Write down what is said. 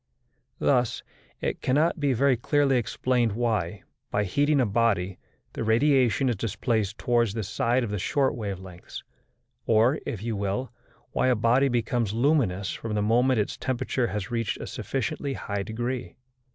Thus it cannot be very clearly explained why, by heating a body, the radiation is displaced towards the side of the short wave lengths, or, if you will, why a body becomes luminous from the moment its temperature has reached a sufficiently high degree.